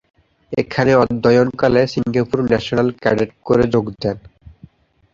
এখানে অধ্যয়নকালে Singapore national cadet corps যোগ দেন।